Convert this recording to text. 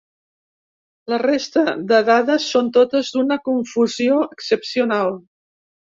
La resta de dades són totes d’una confusió excepcional.